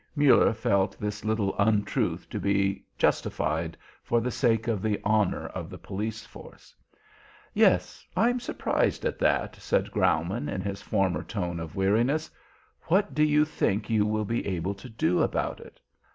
Muller felt this little untruth to be justified for the sake of the honour of the police force. "Yes, I'm surprised at that," said Graumann in his former tone of weariness. "What do you think you will be able to do about it?"